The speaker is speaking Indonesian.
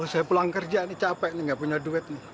saya pulang kerja ini capek nih gak punya duit nih